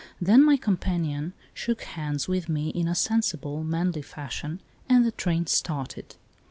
Then my companion shook hands with me in a sensible, manly fashion, and the train started.